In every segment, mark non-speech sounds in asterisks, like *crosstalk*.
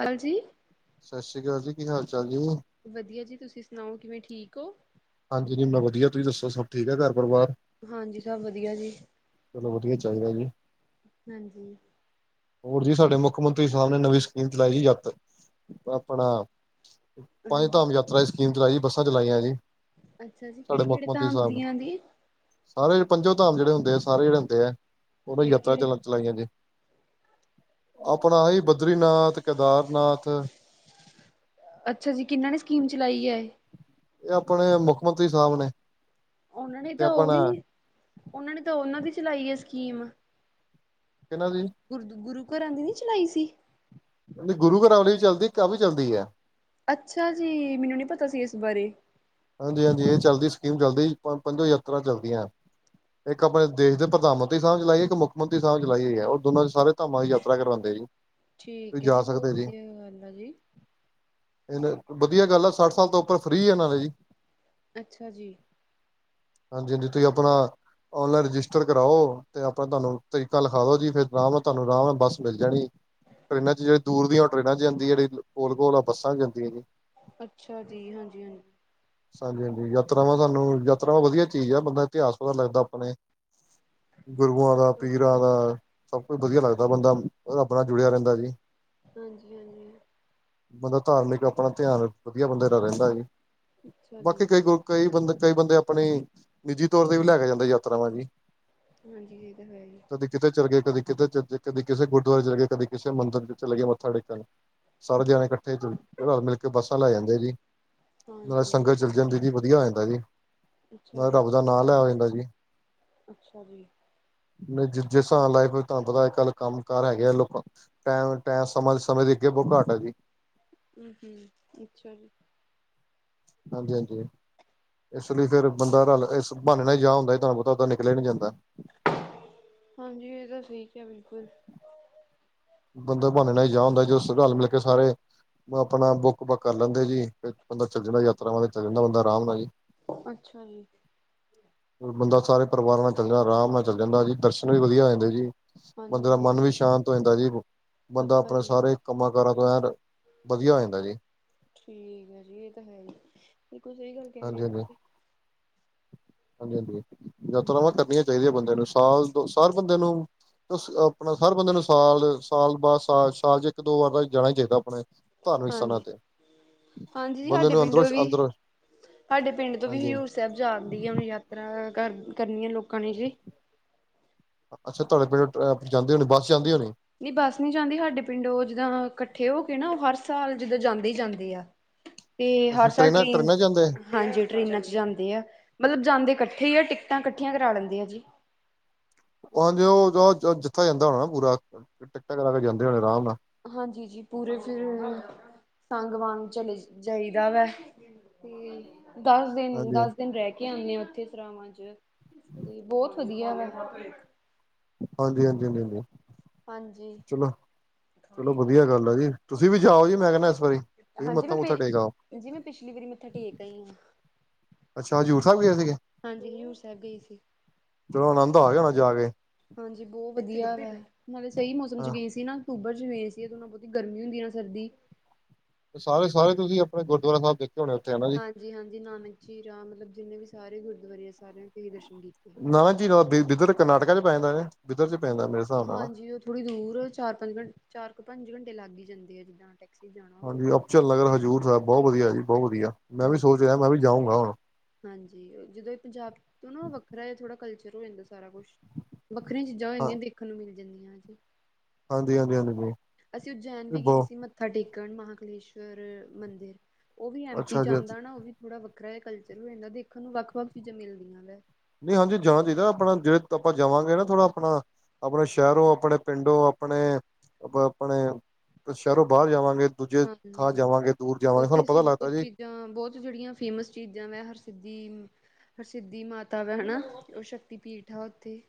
ਹਾਂਜੀ ਸਤਿ ਸ੍ਰੀ ਅਕਾਲ ਜੀ ਕੀ ਹਾਲ ਚਾਲ ਜੀ ਵਧੀਆ ਜੀ, ਤੁਸੀਂ ਸੁਣਾਓ ਕਿਵੇਂ ਠੀਕ ਹੋ? ਹਾਂਜੀ ਜੀ ਮੈਂ ਵਧੀਆ, ਤੁਸੀਂ ਦੱਸੋ ਸਭ ਠੀਕ ਹੈ ਘਰ ਪਰਿਵਾਰ? ਹਾਂਜੀ ਸਭ ਵਧੀਆ ਜੀ। ਚਲੋ ਵਧੀਆ ਚਾਹੀਦਾ ਜੀ। ਹਾਂਜੀ ਹੋਰ ਜੀ, ਸਾਡੇ ਮੁੱਖ ਮੰਤਰੀ ਸਾਹਿਬ ਨੇ ਨਵੀਂ ਸਕੀਮ ਚਲਾਈ ਜੀ ਆਪਣਾ ਪੰਜ ਹਾਂਜੀ ਧਾਮ ਯਾਤਰਾ ਦੀ ਸਕੀਮ ਚਲਾਈ ਜੀ, ਬੱਸਾਂ ਚਲਾਈਆਂ ਜੀ। ਅੱਛਾ ਜੀ, ਸਾਡੇ ਕਿਹੜੇ ਮੁੱਖ ਕਿਹੜੇ ਮੰਤਰੀ ਧਾਮ ਸਾਹਿਬ ਨੇ ਦੀਆਂ ਜੀ? ਸਾਰੇ ਪੰਜੋ ਧਾਮ ਜਿਹੜੇ ਹੁੰਦੇ ਆ ਸਾਰੇ ਜਿਹੜੇ ਹੁੰਦੇ ਆ, ਉਹਨਾਂ ਕਿਹੜੇ ਯਾਤਰਾ ਕਿਹੜੇ ਚੱਲਣ ਚਲਾਈਆਂ ਜੀ, ਆਪਣਾ ਇਹੀ ਬਦਰੀਨਾਥ, ਕੇਦਾਰਨਾਥ ਅੱਛਾ ਜੀ, ਕਿਹਨਾਂ ਨੇ ਸਕੀਮ ਚਲਾਈ ਐ ਇਹ? ਇਹ ਆਪਣੇ ਮੁੱਖ ਮੰਤਰੀ ਸਾਹਿਬ ਨੇ। ਉਹਨਾਂ ਨੇ ਤੇ ਤਾਂ ਉਹ ਆਪਣਾ ਵਾਲੀ, ਉਹਨਾਂ ਨੇ ਤਾਂ ਉਹਨਾਂ ਦੀ ਚਲਾਈ ਆ ਸਕੀਮ ਕਹਿੰਨਾ ਦੀ। ਗੁਰਦ ਗੁਰੂ ਘਰਾਂ ਦੀ ਨੀ ਚਲਾਈ ਸੀ। ਗੁਰੂ ਘਰਾਂ ਵਾਲੀ ਚੱਲਦੀ ਏ, ਇਕ ਐ ਵੀ ਚੱਲਦੀ ਏ। ਅੱਛਾ ਜੀ ਮੈਨੂੰ ਨਹੀਂ ਪਤਾ ਸੀ ਇਸ ਬਾਰੇ। ਹਾਂਜੀ ਹਾਂਜੀ ਇਹ ਚੱਲਦੀ ਸਕੀਮ ਚੱਲਦੀ ਪੰਜੋ ਯਾਤਰਾ ਚੱਲਦੀਆਂ। ਇੱਕ ਆਪਣੇ ਦੇਸ਼ ਦੇ ਪ੍ਰਧਾਨ ਮੰਤਰੀ ਸਾਹਿਬ ਚਲਾਈਏ ਇੱਕ ਮੁੱਖ ਮੰਤਰੀ ਸਾਹਿਬ ਚਲਾਈਏ ਰਿਹਾ ਦੋਨਾਂ ਸਾਰੇ ਧਾਮਾਂ ਦੀ ਯਾਤਰਾ ਕਰਵਾਉਂਦੇ ਜੀ। ਤੁਸੀਂ ਠੀਕ ਹੈ ਜਾ ਜੀ, ਬਹੁਤ ਸਕਦੇ ਵਧੀਆ ਗੱਲ ਆ ਜੀ। ਇਹ ਵਧੀਆ ਗੱਲ ਆ, ਸੱਠ ਸਾਲ ਤੋਂ ਉੱਪਰ ਫ੍ਰੀ ਆ ਨਾਲੇ ਜੀ। ਅੱਛਾ ਜੀ। ਹਾਂਜੀ ਹਾਂਜੀ, ਤੁਸੀਂ ਆਪਣਾ ਔਨਲਾਈਨ ਰਜਿਸਟਰ ਕਰਾਓ ਤੇ ਆਪਣਾ ਤੁਹਾਨੂੰ ਤਰੀਕਾ ਲਿਖਾ ਦੋ ਜੀ, ਫਿਰ ਆਰਾਮ ਤੁਹਾਨੂੰ ਆਰਾਮ ਨਾਲ ਬੱਸ ਮਿਲ ਜਾਣੀ। ਟਰੇਨਾਂ ਜਿਹੜੇ ਦੂਰ ਦੀਆਂ ਉਹ ਟਰੇਨਾਂ ਚ ਜਾਂਦੀਆਂ ਨੇ, ਕੋਲ ਕੋਲ ਵਾ ਬੱਸਾਂ ਚ ਜਾਂਦੀਆਂ ਜੀ। ਅੱਛਾ ਜੀ ਹਾਂਜੀ ਹਾਂਜੀ। ਹਾਂਜੀ ਹਾਂਜੀ, ਯਾਤਰਾਵਾਂ ਤੁਹਾਨੂੰ ਯਾਤਰਾਵਾਂ ਵਧੀਆ ਚੀਜ਼ ਆ, ਬੰਦਾ ਇਤਿਹਾਸ ਪਤਾ ਲੱਗਦਾ ਆਪਣੇ ਗੁਰੂਆਂ ਦਾ, ਪੀਰਾਂ ਹਾਂਜੀ ਦਾ ਸਭ ਕੁਝ ਵਧੀਆ ਲੱਗਦਾ, ਬੰਦਾ ਰੱਬ ਨਾਲ ਜੁੜਿਆ ਰਹਿੰਦਾ ਜੀ। ਹਾਂਜੀ ਹਾਂਜੀ। ਬੰਦਾ ਧਾਰਮਿਕ ਆਪਣਾ ਧਿਆਨ ਵਧੀਆ ਬੰਦੇ ਦਾ ਰਹਿੰਦਾ ਸੀ। ਅੱਛਾ ਬਾਕੀ ਜੀ ਕਈ ਗ ਕਈ ਬੰ ਕਈ ਬੰਦੇ ਆਪਣੀ ਨਿੱਜੀ ਤੌਰ ਤੇ ਵੀ ਲੈ ਕੇ ਜਾਂਦੇ ਯਾਤਰਾਵਾਂ ਜੀ। ਹਾਂਜੀ ਇਹ ਤਾਂ ਹੈ ਹੀ ਐ। ਕਦੀ ਕਿਤੇ ਚਲੇ ਗਏ, ਕਦੀ ਕਿਤੇ ਕਦੀ ਕਿਸੇ ਗੁਰਦੁਆਰੇ ਚਲੇ ਗਏ, ਕਦੀ ਕਿਸੇ ਮੰਦਿਰ ਵਿੱਚ ਚਲੇ ਗਏ ਮੱਥਾ ਟੇਕਣ। ਸਾਰੇ ਜਾਣੇ ਇਕੱਠੇ ਚ ਰਲ ਮਿਲ ਕੇ ਬੱਸਾਂ ਲੈ ਜਾਂਦੇ ਜੀ। ਹਾਂਜੀ। ਹਾਂਜੀ ਵਧੀਆ ਹੋ ਜਾਂਦਾ ਜੀ, ਅੱਛਾ ਨਾਲੇ ਜੀ ਰੱਬ ਦਾ ਨਾਂ ਲੈ ਹੋ ਜਾਂਦਾ ਜੀ। ਅੱਛਾ ਜੀ। ਨਹੀਂ ਜਿਸਤਰ੍ਹਾਂ ਲਾਈਫ ਤੁਹਾਨੂੰ ਪਤਾ ਅੱਜ ਕੱਲ੍ਹ ਕੰਮ ਕਾਰ ਹੈਗੇ ਆ ਲੋਕਾਂ ਟੈਮ ਟ ਸਮਾਂ ਸਮੇਂ ਦੇ ਅੱਗੇ ਬਹੁ ਘਾਟ ਆ ਜੀ। ਹੂ ਹੂ ਅੱਛਾ ਜੀ। ਹਾਂਜੀ ਹਾਂਜੀ। ਇਸ ਲਈ ਫਿਰ ਬੰਦਾ ਰਲ ਇਸ ਬਹਾਨੇ ਨਾਲ ਹੀ ਜਾ ਹੁੰਦਾ, ਤੁਹਾਨੂੰ ਪਤਾ ਓਦਾਂ ਨਿਕਲਿਆ ਨੀ ਜਾਂਦਾ। ਹਾਂਜੀ ਇਹ ਤਾਂ ਠੀਕ ਐ ਬਿਲਕੁਲ। ਬੰਦਾ ਬਹਾਾਨੇ ਨਾਲ ਹੀ ਜਾ ਹੁੰਦਾ ਏ ਜਦੋਂ ਰਲ ਮਿਲ ਕੇ ਸਾਰੇ ਆਪਣਾ ਬੁੱਕ ਬੁੱਕ ਕਰ ਲੈਂਦੇ ਜੀ ਫੇਰ ਬੰਦਾ ਚੱਲ ਜਾਂਦਾ ਯਾਤਰਾਵਾਂ ਤੇ ਚੱਲ ਜਾਂਦਾ ਬੰਦਾ ਆਰਾਮ ਨਾਲ ਜੀ। ਅੱਛਾ ਜੀ। ਬੰਦਾ ਸਾਰੇ ਪਰਿਵਾਰ ਨਾਲ ਚੱਲ ਜਾਂਦਾ ਆਰਾਮ ਨਾਲ ਚੱਲ ਜਾਂਦਾ ਜੀ ਦਰਸ਼ਨ ਵੀ ਵਧੀਆ ਹੋ ਜਾਂਦੇ ਜੀ। ਹਾਂਜੀ ਬੰਦੇ ਦਾ ਹਾਂਜੀ ਇਹ ਮਨ ਤਾਂ ਵੀ ਹੈ। ਸ਼ਾਂਤ ਹੋ ਜਾਂਦਾ ਜੀ। ਬੰਦਾ ਅੱਛਾ ਆਪਣੇ ਜੀ ਸਾਰੇ ਕੰਮਾਂ ਕਾਰਾਂ ਤੋਂ ਐਨ ਵਧੀਆ ਹੋ ਜਾਂਦਾ ਜੀ। ਠੀਕ ਹੈ ਜੀ ਇਹ ਤਾਂ ਹੈ ਹੀ ਬਿਲਕੁਲ ਸਹੀ ਗੱਲ ਕਹਿ ਰਹੇ ਹਾਂਜੀ ਹੋ ਹਾਂਜੀ ਤੁਸੀ। ਹਾਂਜੀ ਹਾਂਜੀ ਯਾਤਰਾਵਾ ਤੁਸੀਂ। ਕਰਨੀਆ ਚਾਹੀਦੀ ਹੈ ਬੰਦੇ ਨੂੰ ਸਾਲ ਹਰ ਬੰਦੇ ਨੂੰ ਆਪਣਾ ਹਰ ਬੰਦੇ ਨੂੰ ਸਾਲ ਸਾਲ ਬਾ ਸਾਲ ਸਾਲ ਚ ਇੱਕ ਦੋ ਵਾਰ ਜਾਣਾ ਹੀ ਚਾਹੀਦਾ ਆਪਣੇ ਧਾਰਮਿਕ ਸਥਾਨਾਂ ਹਾਂਜੀ ਤੇ। ਹਾਂਜੀ ਜੀ ਬੰਦੇ ਸਾਡੇ ਨੂੰ ਪਿੰਡ ਅੰਦਰੋਂ ਵੀ ਅੰਦਰ ਸਾਡੇ ਪਿੰਡ ਤੋਂ ਵੀ ਹਾਂਜੀ ਹਜ਼ੂਰ ਸਾਹਿਬ ਜਾਣ ਦੀ ਆ ਉਹਨੂੰ ਯਾਤ। ਤ੍ਹਾਂ ਕਰਨੀ ਆ ਲੋਕਾਂ ਨੇ ਜੀ ਅੱਛਾ ਤੁਹਾਡੇ ਪਿੰਡ ਜਾਂਦੀ ਹੋਣੀ ਬੱਸ ਜਾਂਦੀ ਹੋਣੀ ਨਹੀਂ ਬਸ ਨੀ ਜਾਂਦੀ ਸਾਡੇ ਪਿੰਡ ਉਹ ਜਿੱਦਾਂ ਇਕੱਠੇ ਹੋ ਕੇ ਨਾ ਉਹ ਹਰ ਸਾਲ ਜਿੱਦਾਂ ਜਾਂਦੇ ਹੀ ਜਾਂਦੇ ਆ। ਤੇ ਅੱਛਾ ਹਰ ਸਾਲ ਟ੍ਰੇਨਾਂ ਟ੍ਰੇਨ ਟ੍ਰੇਨਾਂ ਚ ਜਾਂਦੇ ਹਾਂਜੀ ਟ੍ਰਰੇਨਾਂ ਚ ਜਾਂਦੇ ਆ ਮਤਲਬ ਜਾਂਦੇ ਇਕੱਠੇ ਆ ਟਿਕਟਾਂ ਇਕੱਠੀਆਂ ਕਰਾ ਲੈਂਦੇ ਆ ਜੀ। ਉਹ ਹਾਂਜੀ ਉਹਦੋ ਜਥਾ ਜਾਂਦਾ ਹੋਣਾ ਨਾ ਪੂਰਾ ਟਿਕਟਾਂ ਕਰਾ ਕੇ ਜਾਂਦੇ ਹੋਣੇ ਆਰਾਮ ਨਾਲ। ਹਾਂਜੀ ਜੀ ਪੂਰੇ ਫਿਰ ਤੰਗ ਵਾਂਗ ਚਲੇ ਜਾਈਦਾ ਵਾ ਤੇ ਦਸ ਦਿਨ ਹਾਂਜੀ ਦਸ ਦਿਨ ਰਹਿ ਕੇ ਆਉਂਦੇ ਆ ਉੱਥੇ ਸਰਾਵਾਂ ਚ ਤੇ ਬਹੁਤ ਵਧੀਆ ਵ ਹਾਂਜੀ ਹਾਂਜੀ ਹਾਂਜੀ ਹਾਂਜੀ ਹਾਂਜੀ ਚਲੋ ਚਲੋ ਵਧੀਆ ਗੱਲ ਆ ਜੀ। ਤੁਸੀਂ ਵੀ ਜਾਓ ਜੀ ਮੈਂ ਕਹਿੰਦਾ ਇਸ ਵਾਰੀ ਤੁਸੀਂ ਹਾਂਜੀ ਮੈਂ ਮੱਥਾ ਮੁੱਥਾ ਟੇਕ ਆਓ ਪੇਾਂਜੀ ਮੈਂ ਪਿਛਲੀ ਵਾਰੀ ਮੱਥਾ ਟੇਕ ਆਈ ਹਾਂ। ਅੱਛਾ ਹਜ਼ੂਰ ਸਾਹਿਬ ਗਏ ਸੀਗੇ ਹਾਂਜੀ ਹਜ਼ੂਰ ਸਾਹਿਬ ਗਏ ਸੀ। ਚਲੋ ਆਨੰਦ ਆ ਗਿਆ ਹੁਣਾ ਜਾ ਕੇ। ਹਾਂਜੀ ਬਹੁਤ ਵਧੀਆ ਵਾ ਨਾਲੇ ਸਹੀ ਮੌਸਮ ਚ ਹਾਂ ਗਏ ਸੀ ਨਾ। ਅਕਤੂਬਰ ਚ ਗਏ ਸੀ ਓਦੋਂ ਨਾ ਬਹੁਤੀ ਗਰਮੀ ਹੁੰਦੀ ਨਾ ਸਰਦੀ। ਸਾਰੇ ਸਾਰੇ ਤੁਸੀਂ ਆਪਣੇ ਗੁਰਦੁਆਰਾ ਸਾਹਿਬ ਦੇੇਖੇ ਹੋਣੇ ਉੱਥੇ ਹੈਨਾ ਜੀ। ਜੀ ਹਾਂਜੀ ਨਾਨਕ ਜੀ ਰਾਮ ਮਤਲਬ ਜਿੰਨੇ ਵੀ ਸਾਰੇ ਗੁਰਦੁਆਰੇ ਆ ਸਾਰਿਆਂ ਦੇ ਦਰਸ਼ਨ ਕੀਤੇ। ਨਾਨਕ ਜੀਰਾ ਬਿੱਧਰ ਕਰਨਾਟਕਾ ਚ ਪੈਂ ਜਾਂਦਾ ਨੇ ਬਿੱਧਰ ਚ ਪੈਂਦਾ। ਹਿਸਾਬ ਨਾਲ ਨਾ ਹਾਂਜੀ ਉਹ ਥੋੜ੍ਹੀ ਦੂਰ ਚਾਰ ਪੰਜ ਘੰਟ ਚਾਰ ਕੁ ਪੰਜ ਘੰਟੇ ਲੱਗ ਹੀ ਜਾਂਦੇ ਆ ਜਿੱਦਾਂ ਟੈਕ। ਹਾਂਜੀ ਅਪਚਲ ਨਗਰ ਹਜ਼ੂਰ ਸਾਹਿਬ ਬਹੁਤ ਵਧੀਆ ਜੀ ਬਹੁਤ ਵਧੀਆ ਮੈਂ ਵੀ ਸੋਚ ਹਾਂਜੀ ਰਿਹਾ ਮੈਂ ਵੀ ਜਾਊਂਗਾ ਹੁਣ। ਹਾਂਜੀ ਜਦੋਂ ਇਹ ਪੰਜਾਬ ਤੋਂ ਨਾ ਵੱਖਰਾ ਜਾਂ ਥੋੜਾ ਕਲਚਰ ਹੋ ਜਾਂਦਾ ਸੀ। ਸਾਰਾ ਕੁੱਛ ਵੱਖਰੀਆਂ ਚੀਜ਼ਾਂ ਹੋ ਹਾਂ ਜਾਂਦੀਆਂ ਦੇਖਣ ਨੂੰ ਮਿਲ ਜਾਂਦੀਆਂ ਜੀ। ਹਾਂਜੀ ਹਾਂਜੀ ਹਾਂਜੀ। ਅਸੀਂ ਉਜੈਨ ਵੀ ਗਏ ਬਹੁ ਸੀ ਮੱਥਾ ਟੇਕਣ ਮਹਾਂਕਲੇਸ਼ਵਰ ਮੰਦਿਰ। ਉਹ ਵੀ ਐੱਮ ਪੀ ਅੱਛਾ ਚ ਜੀ ਅੱਛਾ ਆਂਦਾ ਨਾ ਉਹ ਵੀ ਥੋੜ੍ਹਾ ਵੱਖਰਾ ਹੈ ਕਲਚਰ ਹੋ ਇਹ ਨਾ ਦੇਖਣ ਨੂੰ ਵੱਖ ਵੱਖ ਚੀਜ਼ਾਂ ਮਿਲਦੀਆਂ ਵਾ। ਨਹੀਂ ਹਾਂਜੀ ਜਾਣਾ ਚਾਹੀਦਾ ਆਪਣਾ ਜਿਹੜੇ ਆਪਾਂ ਜਾਵਾਂਗੇ ਨਾ ਥੋੜ੍ਹਾ ਆਪਣਾ। ਆਪਣੇ ਸ਼ਹਿਰੋਂ ਆਪਣੇ ਪਿੰਡੋ ਆਪਣੇ ਆਪਣੇ ਸ਼ਹਿਰੋਂ ਬਾਹਰ ਜਾਵਾਂਗੇ। ਦੂਜੇ ਥਾਂ ਹਾਂਜੀ ਜਾਵਾਂਗੇ ਦੂਰ ਜਾਵਾਂਗੇ ਸਾਨੂੰ ਪਤਾ ਲੱਗਦਾ ਜੀ। ਜਾਂ ਬਹੁਤ ਜਿਹੜੀਆਂ ਫੇਮਸ ਚੀਜ਼ਾਂ ਹਰਸਿਧੀ। ਹਰਸਿੱਧੀ ਮਾਤਾ ਹੈਨਾ ਉਹ ਸ਼ਕਤੀ ਪੀਠ ਹੈ ਉੱਥੇ।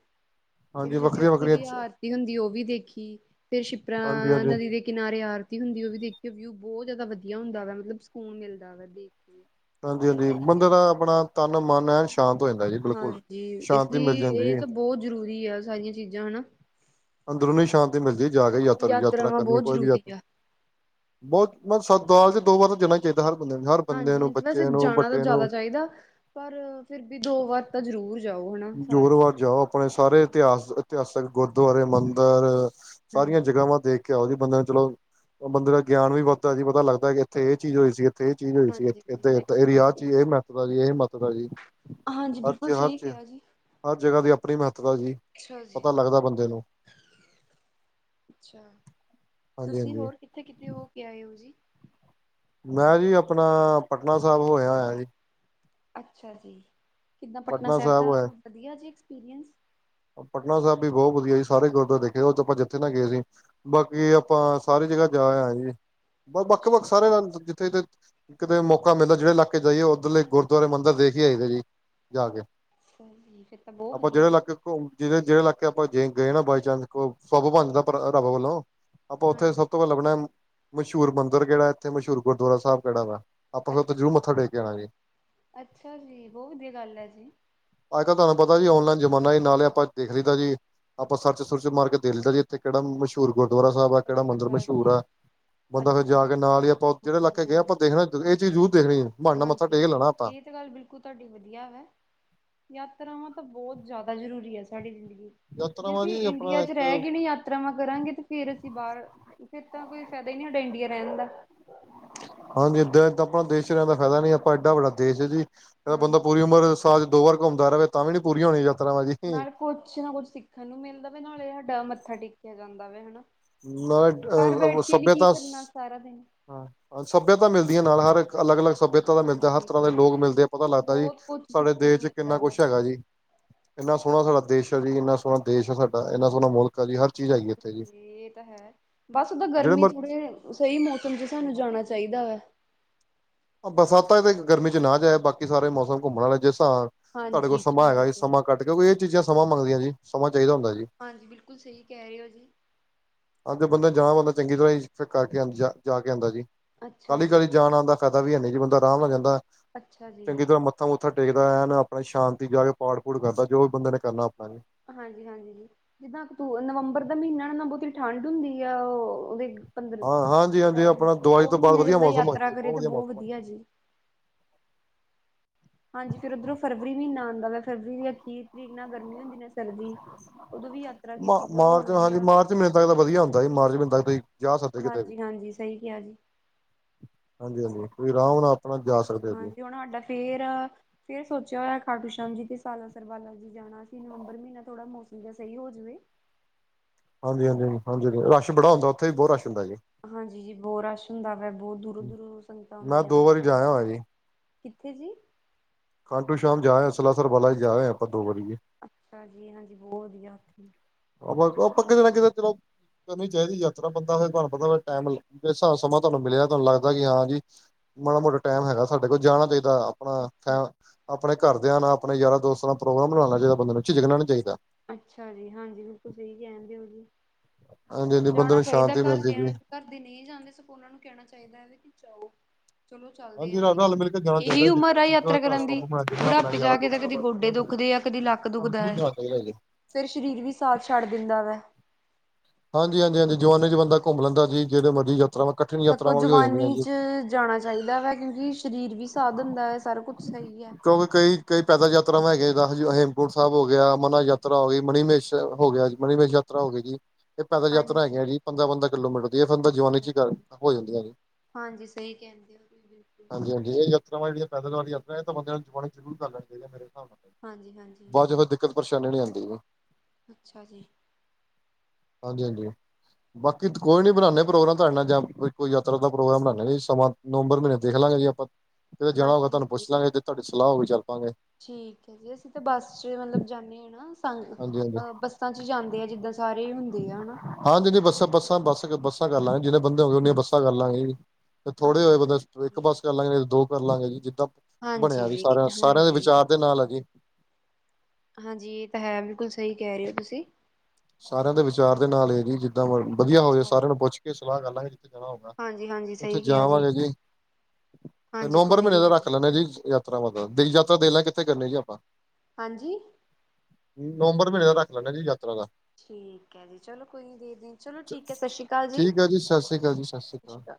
ਫ ਹਾਂਜੀ ਜਿੱਦ ਵੱਖਰੀਆਂ ਉੱਥੇ ਵੱਖਰੀਆਂ ਵੀ ਆਰਤੀ ਹੁੰਦੀ ਉਹ ਵੀ ਦੇਖੀ ਫੇਰ ਹਾਂਜੀ ਸਿੱਪਰਾਂ ਹਾਂਜੀ ਨਦੀ ਦੇਖੀ। ਕਿਨਾਰੇ ਆਰਤੀ ਹੁੰਦੀ ਉਹ ਵੀ ਦੇਖੀ ਵਿਊ ਬਹੁਤ ਜ਼ਿਆਦਾ ਵਧੀਆ ਹੁੰਦਾ ਵਾ ਮਤਲਬ ਸਕੂਨ ਮਿਲਦਾ ਵ ਦੇਖ ਕੇ। ਹਾਂਜੀ ਇਹ ਹਾਂਜੀ ਸਾਰੀ ਬੰਦੇ ਦਾ ਚੀਜ਼ਾਂ ਆਪਣਾ ਤਨ ਮਨ ਹੈ ਸ਼ਾਂਤ ਹੋ ਜਾਂਦਾ ਜੀ ਬਿਲਕੁਲ ਹਾਂਜੀ ਇਸ ਸ਼ਾਂਤੀ ਲਈ ਮਿਲ ਜਾਂਦੀ ਇਹ ਜੀ। ਤਾਂ ਬਹੁਤ ਜ਼ਰੂਰੀ ਆ ਸਾਰੀਆਂ ਚੀਜ਼ਾਂ ਹੈਨਾ। ਅੰਦਰੂਨੀ ਸ਼ਾਂਤੀ ਮਿਲਦੀ ਜਾ ਕੇ ਯਾਤ ਯਾਤਰਾ ਯਾਤਰਾਵਾਂ ਕਰਨੀ ਬਹੁਤ ਕੋਈ ਵੀ ਜ਼ਰੂਰੀ ਯਤ। ਆ ਬਹੁਤ ਮ ਸਰਦਾਰ ਚ ਦੋ ਵਾਰ ਤਾਂ ਜਾਣਾ ਹਰ ਬੰਦੇ ਨੂ ਹਰ ਬੰਦੇ ਹਾਂਜੀ ਨੂੰ ਹਾਂਜੀ ਵੈਸੇ ਬੱਚੇ ਨੂੰ ਜਾਣਾ ਤਾਂ ਵੱਡੇ ਨੂੰ ਜ਼ਿਆਦਾ ਚਾਹੀਦਾ ਪਰ ਫਿਰ ਵੀ ਦੋ ਵਾਰ ਤਾਂ ਜ਼ਰੂਰ ਜਾਓ ਹਨਾ ਸਾਲ ਜ਼ੋਰਵਾਰ ਜਾਓ ਆਪਣੇ ਸਾਰੇ ਇਤਿਹਾਸ ਇਤਿਹਾਸਕ ਗੁਰਦੁਆਰੇ ਮੰਦਿਰ ਸਾਰੀਆਂ ਹਾਂਜੀ ਜਗ੍ਹਾਵਾਂ ਦੇਖ ਜਾਓ ਜੀ ਉਹ ਬੰਦੇ ਨੂੰ ਚਲੋ ਬੰਦੇ ਦਾ ਗਿਆਨ ਵੀ ਬਹੁਤ ਇੱਦਾਂ ਦੀ ਪਤਾ ਲੱਗਦਾ ਇੱਥੇ ਇਹ ਚੀਜ਼ ਹੋਈ ਸੀ ਇੱਥੇ ਇਹ ਚੀਜ਼ ਹੋਈ ਸੀ ਹਾਂਜੀ ਜੀ ਇਏ ਸਹੀ ਏਰੀ ਆਹ ਚ ਇਹ ਮੈਂ ਮਹਤਤਾ ਜੀ ਇਹ ਮਹੱਤਵਤਾ ਜੀ ਹਾਂਜੀ ਹਰ ਬਿਲਕੁਲ ਚੀ ਹਰ ਸਹੀ ਚ ਕਿਹਾ ਜੀ ਹਰ ਜਗ੍ਹਾ ਦੀ ਆਪਣੀ ਮਹੱਤਵਤਾ ਜੀ ਅੱਛਾ ਜੀ ਪਤਾ ਲੱਗਦਾ ਬੰਦਾ ਅੱਛਾ ਹਾਂਜੀ ਤੁਸੀਂ ਹਾਂਜੀ ਹੋਰ ਕਿੱਥੇ ਕਿੱਥੇ ਹੋ ਕੇ ਆਏ ਹੋ ਜੀ। ਮੈਂ ਜੀ ਆਪਣਾ ਪਟਨਾ ਸਾਹਿਬ ਹੋਇਆ ਹੋਇਆ ਜੀ ਅੱਛਾ ਜੀ, ਪਟਨਾ ਸਾਹਿਬ ਹੋਇਆ। ਵਧੀਆ ਜੀ ਐਕਸਪੀਰੀਅੰਸ। ਪਟਨਾ ਸਾਹਿਬ ਵੀ ਬਹੁਤ ਵਧੀਆ ਜੀ ਸਾਰੇ ਗੁਰੂਦੁਆਰੇ ਦੇਖੇ ਉਹ ਤਾਂ ਆਪਾਂ ਜਿੱਥੇ ਨਾਲ ਗਏ ਸੀ। ਬਾਕੀ ਆਪਾਂ ਸਾਰੀ ਜਗ੍ਹਾ ਜਾ ਆਏ ਜੀ ਵੱਖ ਵੱਖ ਅੱਛਾ, ਸਾਰੇ ਜਿੱਥੇ ਜਿੱਥੇ ਕਿਤੇ ਮੌਕਾ ਮਿਲਦਾ ਜਿਹੜੇ ਇਲਾਕੇ ਜਾਈਏ ਉੱਧਰਲੇ ਗੁਰੂਦੁਆਰੇ ਮੰਦਿਰ ਦੇਖ ਹੀ ਆਈਦੇ ਜੀ ਜਾ ਕੇ। ਫਿਰ ਤਾਂ ਬਹੁੱਤ ਆਪਾਂ ਜਿਹੜੇ ਵਧੀਆ ਇਲਾਕੇ ਜਿਹੜੇ ਇਲਾਕੇ ਆਪਾਂ ਜੇ ਗਏ ਨਾ ਬਾਈ ਚਾਂਸ ਸੱਬ ਬਣਜਾਂਦਾਂ ਰੱਬ ਵੱਲੋਂ। ਆਪਾਂ ਉੱਥੇ ਹਾਂਜੀ। ਸਭ ਤੋਂ ਪਹਿਲਾਂ ਲੱਭਣਾ ਮਸ਼ਹੂਰ ਮੰਦਿਰ ਕਿਹੜਾ ਇੱਥੇ ਮਸ਼ਹੂਰ ਗੁਰੂਦੁਆਰਾ ਸਾਹਿਬ ਕਿਹੜਾ ਵਾ ਆਪਾਂ ਅ ਫਿਰ ਉਥੇ ਜ਼ਰੂਰ ਮੱਥਾ ਟੇਕ ਆਵਾਂਗੇ। ਅੱਛਾ ਜੀ, ਬਹੁਤ ਵਧੀਆ ਗੱਲ ਹੈ ਜੀ। ਅੱਜ ਕੱਲ ਤੁਹਾਨੂੰ ਪਤਾ ੳਨਲਾਈਨ ਜ਼ਮਾਨਾ ਹੇ। ਨਾਲੇ ਆਪਾਂ ਦੇਖ ਲਤਾ ਜੀ ਆਪਾਂ ਸਰਚ ਸੁਰਚ ਮਾਰ ਕੇ ਦੇਖ ਲਿਤਾ ਜੀ ਇੱਥੇ ਕਿਹੜਾ ਮਸ਼ਹੂਰ ਗੁਰੂਦੁਆਰਾ ਸਾਹਿਬ ਆ ਕਿਹੜਾ ਮੰਦਿਰ ਅੱਛਾ ਮਸ਼ਹੂਰ ਜੀ, ਆ। ਬੰਦਾ ਅੱਛਾ ਫਿਰ ਜਾ ਕੇ ਨਾਲ ਹੀ ਆਪਾਂ ਜਿਹੜੇ ਹਾਂਜੀ, ਇਲਾਕੇ ਗਏ ਆਪਾਂ ਹਾਂਜੀ, ਦੇਖਣਾ ਇਹ ਚੀਜ਼ ਜ਼ਰੂਰ ਦੇਖਣੀ ਬਹਾਨੇਂ ਨਾਲ ਮੱਥਾ ਟੇਕ ਹਾਂਜੀ ਲੈਣਾ ਆਪਾਂ ਇਹ ਗੱਲ ਬਿਲਕੁੱਲ ਤੁਹਾਡੀ ਵਧੀਆ ਵਾ ਹੈ। ਯਾਤਰਾਵਾਂ ਤਾਂ ਬਹੁਤ ਜ਼ਿਆਦਾ ਜ਼ਰੂਰੀ ਹੈ ਸਾਡੀ ਜ਼ਿੰਦਗੀ ਜੇ ਯਾਤਰਾਵਾਂ ਅਸੀਂ ਜੀ ਇੰਡੀਆ ਆਪਣਾ ਚ ਰਹਿ ਇੱਕ ਗਏ ਨੇ ਯਾਤਰਾਵਾਂ ਕਰਾਂਗੇ ਤੇ ਫੇਰ ਅਸੀਂ ਬਾਹਰ ਫੇਿਰ ਤਾਂ ਕੋਈ ਫਾਇਦਾ ਹੀ ਨਹੀਂ ਇੰਡੀਆਂ ਰਹਿਣ ਦਾ ਹਾਂਜੀ ਇਏਦਾਂ ਇਏਦ ਆਪ ਦੇਸ਼ ਰਹਿਣ ਦਾ ਫਾਇਦਾ ਨੀ ਆਪਾਂ ਏਡਾ ਵੱਡਾ ਦੇਸ਼ ਹੈ ਜੀ ਇਹਦਾ ਬੰਦਾ ਪੂਰੀ ਹਾਂਜੀ। ਉਮਰ ਸਾਲ ਚ ਦੋ ਵਾਰ ਘੁੰਮਦਾ ਰਹੇਵੇ ਤਾਂ ਵੀ ਨੀ ਪੂਰੀ ਹੋਣੀ ਯਾਤਰਾ ਵਾਜੀ ਕੁੱਛ ਨਾ ਕੁੱਛ ਸਿੱਖਣ ਨੂੰ ਮਿਲਦਾ ਵ ਨਾਲੇ ਸਾਡਾ ਮੱਥਾ ਟੇਕਿਆ ਜਾਂਦਾਂ ਵਾ ਹਨਾ। ਨਾਲ ਘਰ ਅ ਬੈਠ ਕੇ ਵੀ ਕੀ ਸੱਭਿਅਤਾ ਕਰਨਾ ਸਾਰਾ ਦਿਨ। ਹਾਂ ਸੱਭਿਅਤਾ ਮਿਲਦੀਆਂ ਨਾਲ ਹਰ ਅਲੱਗ ਅਲੱਗ ਸੱਭਿਅਤਾ ਪਤਾਂ ਮਿਲਦਾ ਹਰ ਹਾਂਜੀ। ਤਰ੍ਹਾਂ ਦੇ ਲੋਕ ਮਿਲਦੇ ਆ ਪਤਾ ਲੱਗਦਾ ਜੀ ਬਹੁਤ ਕੁਛ ਸਾਡੇ ਸਿੱਖਣ ਦੇਸ਼ ਨੂੰ ਚ ਕਿੰਨਾ ਮਿਲਦਾ ਵਾ। ਕੁੱਛ ਹੈਗਾ ਜੀ। ਇੰਨਾ ਸੋਹਣਾ ਸਾਡਾ ਦੇਸ਼ ਆ ਜੀ ਇੰਨਾ ਸੋਹਣਾ ਦੇਸ਼ ਆ ਸਾਡਾ ਇੰਨਾ ਸੋਹਣਾ ਮੁਲਕ ਹੈ ਜੀ ਹਰ ਚੀਜ਼ ਹੈਗੀ ਹਾਂ ਇੱਥੇ ਜੀ ਇਹ ਤਾਂ ਹੈ ਬਸ ਉਦਾਂ ਜਿਹੜੇ ਗਰਮੀਂ ਮਰ ਥੋੜ੍ਹੇ ਸਹੀ ਮੌਸਂਮ ਚੱ ਸਾਨੂੰ ਜਾਣਾਂ ਚਾਹੀਦਾ ਵ ਬਰਸਾਤਾਂ ਇਹ ਤੇ ਗਰਮੀਂ ਚੱ ਨਾ ਜਾਇਉਂ ਬਾਕੀ ਸਾਰੇ ਮੌਸਂਮ ਘੁੰਮਣ ਵਾਲੇ ਜਿਸ ਤਰਾਂ ਤੁਹਾਡੇ ਕੋਲ ਹਾਂਜੀ ਸਮਾਂ ਹੈਗਾ ਜੀ ਠੀਕ ਹੈ ਸਮਾਂ ਕੱਟ ਕਿਉਂਕਿ ਇਹ ਚੀਜ਼ਾਂ ਸਮਾਂ ਮੰਗਦੀਆਂ ਜੀ ਸਮਾਂ ਚਾਹੀਦਾ ਹੁੰਦਾ ਜੀ। ਹਾਂਜੀ ਬਿਲਕੁੱਲ ਸਹੀ ਕਹਿ ਰਹੇ ਹੋ ਜੀ। ਹਾਂਜੀ ਬੰਦਾ ਜਾਣਾ ਬੰਦਾ ਚੰਗੀ ਤਰ੍ਹਾਂ ਹੀ ਫਿਰ ਕਰਕੇ ਜਾਕੇ ਆਉਂਦਾ ਜੀ। ਅੱਛਾ ਕਾਹਲੀ ਜੀ ਕਾਹਲੀ ਜਾਣ ਆਉਣ ਦਾ ਫਾਇਦਾ ਵੀ ਹੈ ਨਹੀਂ ਜੀ ਬੰਦਾ ਆਰਾਮ ਨਾਲ ਜਾਂਦਾ ਅੱਛਾ ਜੀ ਚੰਗੀ ਤਰ੍ਹਾਂ ਮੱਥਾ ਮੱਥਾ ਟੇਕ ਆਇਆ ਆਪਣੇ ਸ਼ਾਂਤੀ ਜਾ ਕੇ ਪਾਠ ਪੂਠ ਕਰਦਾ ਜੋ ਵੀ ਬੰਦੇ ਨੇ ਕਰਨਾ ਆਪਣਾ ਹਾਂਜੀ ਹਾਂਜੀ ਜੀ ਜਿੱਦਾਂ ਅਕਤੂਬਰ ਨਵੰਬਰ ਦਾ ਮਹੀਨਾ ਨਾ ਬਹੁਤੀ ਠੰਡ ਹੁੰਦੀ ਆ ਉਹ ਉਹਦੇ ਸਤਬੰਰ ਹਾਂ ਹਾਂਜੀ ਹਾਂਜੀ ਸਟਾਰਟਿੰਗ ਆਪਣਾ ਚ ਦੀਵਾਲੀ ਉਹ ਤੋਂ ਬਾਅਦ ਮਹੀਨੇ ਚ ਵਧੀਆ ਬੰਦਾ ਮੌਸਮ ਹੋ ਜਾਂਦਾ ਯਾਤਰਾ ਜੀ, ਕਰੇ ਤਾਂ ਬਹੁਤ ਮੌਸਮ ਹੋ ਵਧੀਆ ਜਾਂਦਾ ਜੀ। ਹਾਂਜੀ ਫਿਰ ਉਧਰੋਂ ਫਰਵਰੀ ਮਹੀਨਾ ਆਉਂਦਾ ਵਾ ਫਰਵਰੀ ਦੀ ਅੱਖੀ ਤਰੀਕ ਨਾਲ ਗਰਮੀਂ ਹੁੰਦੀ ਨਾ। ਸਰਦੀ ਉਦੋਂ ਵੀ ਯਾਤਰਾ ਕੀਤੀ ਮਾ ਬਹੁਤ ਮਾਰਚ ਹਾਂਜੀ ਵਧੀਆ। ਮਾਰਚ ਮਹੀਨੇ ਤੱਕ ਤਾਂ ਵਧੀਆ ਹੁੰਦਾ ਸੀ ਮਾਰਚ ਮਹੀਨੇ ਤੱਕ ਤੁਸੀਂ ਜਾ ਸਕਦੇ ਕਿਤੇ ਵੀ ਹਾਂਜੀ ਹਾਂਜੀ ਸਹੀ ਕਿਹਾ ਜੀ ਹਾਂਜੀ ਹਾਂਜੀ ਕੋਈ ਆਰਾਂਮ ਨਾਲ ਆਪਣਾ ਜਾ ਸਕਦੇ। ਹੋ ਜੀ ਹਾਂਜੀ ਹੁਣ ਸਾਡਾ ਫਿਰ ਫਿਰ ਸੋਚਿਆ ਹੋਇਆ ਖਾਟੂ ਸ਼ਾਮ ਜੀ ਤੇ ਸਾਲਾ ਸਰ ਬਾਲਾ ਜੀ ਜਾਣਾ। ਅਸੀਂ ਨਵੰਬਰ ਮਹੀਨਾ ਥੋੜਾ ਮੌਸਂਮ ਜਾ ਸਹੀ ਹੋ ਜਾਵੇ। ਹਾਂਜੀ ਹਾਂਜੀ ਹਾਂਜੀ ਹਾਂਜੀ ਰਸ਼ ਬੜਾ ਹੁੰਦੈ ਉਥੇ ਬਹੁਤ ਰਸ਼ ਹੁੰਦਾ ਜੇ। ਹਾਂਜੀ ਜੀ ਬਹੁਤ ਰਸ਼ ਹੁੰਦਾ ਵੈ ਬਹੁਤ ਦੂਰੋਂ ਦੂਰੋਂ ਸੰਗਤਾਂ ਮੈਂ ਆਂਦੀਆਂ ਦੋ ਵਾਰੀ ਜਾ ਵੇ ਆਇਆ ਹੋਇਆ ਜੀ ਕਿੱਥੇ ਜੀ ਖਾਟੂ ਸ਼ਾਮ ਜਾਏ ਸਲਾਸਰ ਬਾਲਾ ਜੀ ਜਾ ਆਏ ਆਪਾਂ ਦੋ ਵਾਰੀ ਅੱਛਾ ਜੀ ਹਾਂਜੀ ਬੋ ਵਧੀਆ। ਉਹ ਉਹ ਪੱਕਾ ਕਿ *unintelligible* ਕਰਨੀ ਚਾਹੀਦੀ ਯਾਤਰਾ ਬੰਦਾ ਫਿਰ ਤੁਹਾਨੂੰ ਪਤਾ ਟੈਮ ਜਿਸ ਹਿਸਾਬ ਸਮਾਂ ਤੁਹਾਨੂੰ ਮਿਲਿਆ ਤੁਹਾਨੂੰ ਲੱਗਦਾ ਕਿ ਹਾਂ ਜੀ ਮਾੜਾ ਮੋਟਾ ਟੈਮ ਹੈਗਾ ਸਾਡੇ ਕੋਲ ਜਾਣਾ ਚਾਹੀਦੈ ਆਪਾਂ ਆਪਣਾ ਆਪਣੇ ਘਰਦਿਆਂ ਨਾਲ ਆਪਣੇ ਯਾਰਾਂ ਦੋਸਤਾਂ ਨਾਲ ਪ੍ਰੋਗਰਾਮ ਬਣਾਣਾ ਚਾਹੀਦਾ ਬੰਦੇ ਨੂੰ ਝਿਜਕਣਾ ਨੀ ਚਾਹੀਦਾ ਅੱਛਾ ਜੀ। ਹਾਂਜੀ। ਬਿਲਕੁਲ ਸਹੀ ਕਹਿਣ ਦੇਓ ਜੀ। ਹਾਂਜੀ ਹਾਂਜੀ ਬੰਦੇ ਜਾਣਾ ਨੂੰ ਚਾਹੀਦੈ ਸ਼ਾਂਤੀ ਮਿਲਦੀ ਘਰਦਿਆਂ ਜੀ ਨੂੰ ਘਰ ਦੇ ਨਹੀਂ ਜਾਂਦੇ ਸਗੋਂ ਉਹਨਾਂ ਨੂੰ ਕਹਿਣਾ ਚਾਹੀਦੈ ਕਿ ਜਾਓ। ਚਲੋ ਚੱਲਦੇ ਹਾਂਜੀ ਆ ਵੀ। ਰਲ ਮਿਲ ਕੇ ਜਾਣਾ ਇਹੀ ਚਾਹੀਦਾ ਜਿਸ ਉਮਰ ਆ ਤਰ੍ਹਾਂ ਯਾਤਰਾ ਤੁਹਾਡਾ ਕਰਨ ਸਵੱਬ ਦੀ ਬਣਿਆ ਜਿਹਨਾਂ ਨਾਲ ਬਣਿਆ ਬੁਢਾਪੇ ਜਾ ਯਾਰਾਂ ਕੇ ਤਾਂ ਦੋਸਤਾਂ ਕਦੀ ਗੋਡੇ ਨਾਲ ਦੁ ਬਣਿਆ ਦੁਖਦੇ ਆ ਕਦੇ ਲੱਕ ਤੁਹਾਨੂੰ ਦੁਖਦਾ ਜ਼ਰੂਰ ਹੈ। ਜਾਣਾ ਚਾਹੀਦਾ ਜੀ। ਫੇਰ ਸਰੀਰ ਵੀ ਸਾਥ ਛੱਡ ਦਿੰਦਾ ਵੈ। ਹਾਂਜੀ, ਹਾਂਜੀ। ਹਾਂਜੀ। ਜਵਾਨੀ ਚ ਬੰਦਾ ਘੁੰਮ ਲੈਂਦਾ ਜਿਹੜੀ ਮਰਜ਼ੀ ਯਾਤਰਾ। ਸਗੋਂ ਜਵਾਨੀ ਚ ਜਾਣਾ ਚਾਹੀਦਾ ਵੈ ਕਿਉਂਕਿ ਸਰੀਰ ਵੀ ਸਾਥ ਦਿੰਦਾ ਹੈ। ਸਾਰਾ ਕੁਛ ਸਹੀ ਹੈ। ਕਿਉਂਕਿ ਕਈ ਕਈ ਪੈਦਲ ਯਾਤਾਰਾਵਾ ਹੈਗੀਆਂ ਜਿੱਦਾਂ ਹ ਹੇਮਕੁੰਟ ਸਾਹਿਬ ਹੋ ਗਿਆ। ਅਮਰਨਾਥ ਯਾਤਰਾ ਹੋ ਗਈ। ਮਨੀ ਮਮੇਸ਼ ਹੋ ਗਿਆ। ਮਨੀਮੇਸ਼ ਯਾਤਰਾ ਹੋਗੇ ਜੀ। ਇਹ ਪੈਦਲ ਯਾਤਰਾ ਹਾਂਜੀ ਹੈਗੀਆਂ ਜੀ। ਪੰਦਰਾਂ ਪੰਦਰਾਂ ਕਿਲੋਮੀਟਰ ਦੀਆਂ। ਫਿਰ ਜਵਾਨੀ ਅੱਛਾ ਚ ਹੀ ਕਰ ਜੀ ਹੋ ਜਾਂਦੀਆਂ ਜੇ। ਹਾਂਜੀ ਸਹੀ ਕਹਿੰਦੇ ਹੋ ਬਿਲਕੁਲ। ਹਾਂਜੀ, ਹਾਂਜੀ। ਜਿਹੜੀਆਂ ਪੈਦਲ ਆਲੀ ਯਾਤਰਾ ਹੈ ਇਹ ਤੇ ਬੰਦਿਆ ਨੂੰ ਜਵਾਨੀ ਚ ਜ਼ਰੂਰ ਕਰ ਲੈਣੀ ਚਾਹੀਦੀਆਂ ਮੇਰੇ ਹਿਸਾਬ ਨਾਲ ਹਾਂਜੀ ਹਾਂਜੀ ਬਾਦ ਚ ਦਿੱਕਤ ਪਰੇਸ਼ਾਨੀ ਨਹੀਂ ਆਂਦੀ। ਅੱਛਾ ਜੀ। ਹਾਂਜੀ, ਹਾਂਜੀ। ਬਾਕੀ ਕੋਈ ਨੀ ਬਨਾਨੇ ਆਂ ਪ੍ਰੋਗਰਾਮ ਤੁਹਾਡੇ ਨਾਲ ਜਾਂਣ ਦਾ ਕੋਈ ਯਾਤਰਾ ਦਾ ਪ੍ਰੋਗਰਾਮ ਬਨਾਨੇ ਸਮਾਂ ਨਵੰਬਰ ਮਹੀਨੇ ਦੇਖ ਲਾਂਗੇ ਜੇ ਆਪਾਂ ਕਿਤੇ ਜਾਣਾ ਹੋਵੇਗਾ ਹਾਂਜੀ ਤੁਹਾਨੂੰ ਪੁੱਛ ਹਾਂਜੀ ਲਾਂਗਾਂ ਜੇ ਤੁਹਾਡੀ ਸਲਾਹ ਹੋਈ ਚੱਲ ਪਾਂਗੇ ਠੀਕ ਹੈ ਜੀ। ਅਸੀਂ ਤਾਂ ਬੱਸ ਚ ਮਤਲਬ ਜਾਂਦੇ ਹਾਂ ਨਾ। ਹਾਂਜੀ ਹਾਂਜੀ ਅਹ ਬੱਸਾਂ ਚ ਜਾਂਦੇ ਆ ਜਿੱਦਾਂ ਸਾਰੇ ਹੁੰਦੇ ਆ। ਹਨਾ। ਹਾਂਜੀ। ਬੱਸਾਂ ਬੱਸਾਂ ਬੱਸ ਬੱਸਾਂ ਕਰ ਲਾਂਗੇ ਜਿੰਨੇ ਬੰਦੇ ਹੋਗੇ ਉਨੀਆਂ ਬੱਸਾਂ ਕਰ ਲਾਂਗੇ ਜੀ। ਤੇ ਥੋੜੇ ਹਾਂਜੀ ਹੋਏ ਬੰਦੇ ਇੱਕ ਹਾਂਜੀ ਬੱਸ ਕਰ ਲਾਂਗੇ ਨਹੀਂ ਤੇ ਦੋ ਕਰ ਲਾਂਗੇ ਜੀ। ਜਿੱਦਾਂ ਹਾਂਜੀ ਬਣਿਆ ਜੀ ਸਾਰਿਆਂ ਸਾਰਿਆਂ ਦੇ ਹਾਂਜੀ ਵਿਚਾਰ। ਦੇ ਨਾਲ ਹੈ ਜੀ। ਹਾਂਜੀ। ਇਹ ਤਾਂ ਹੈ ਬਿਲਕੁਲ ਸਹੀ ਕਹਿ ਰਹੇ ਹੋ ਤੁਸੀਂ। ਸਾਰਿਆਂ ਦੇ ਵਿਚਾਰ ਦੇ ਨਾਲ ਇਹ ਜੀ ਜਿੱਦਾਂ ਵਧੀਆ ਹੋ ਜਾ ਅੱਛਾ ਜੀ ਸਾਰਿਆਂ ਨੂੰ ਪੁੱਛ ਕੇ ਸਲਾਹ ਕਰ ਲਾਂਗੇ। ਜਾਣਾ ਹੋਨਾ। ਹਾਂਜੀ ਹਾਂਜੀ ਉੱਥੇ ਸਹੀ ਕਿਹਾ ਜਾਵਾਂਗੇ ਜੀ। ਫੇਰ ਹਾਂਜੀ ਨਵੰਬਰ ਕੋਈ ਮਹੀਨੇ ਨੀ ਦਾ ਜੀ ਰੱਖ ਲੈਂਨੇ ਹਾਂ ਜੀ ਯਾਤਰਾ ਦਾ। ਤੀਰਥ ਯਾਤਰਾ ਦੇਖ ਲੈ ਕਿੱਥੇ ਕਰਨੀੇ ਜੀ ਆਪਾਂ। ਹਾਂਜੀ। ਨੋਬਰ ਮਹੀਨੇ ਦਾ ਰੱਖ ਲੈਣੇ ਆ ਜੀ ਯਾਤਰਾ ਦਾ। ਠੀਕ ਹੈ ਜੀ। ਚਲੋ ਕੋਈ ਨ ਦੇਖਦੇ। ਚਲੋ ਠੀਕ ਹੈ ਸਤਿ ਸ਼੍ਰੀ ਅਕਾਲ ਜੀ। ਸਤਿ ਸ਼੍ਰੀ ਅਕਾਲ।